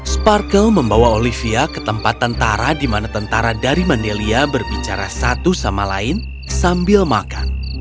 sparkle membawa olivia ke tempat tentara di mana tentara dari mandelia berbicara satu sama lain sambil makan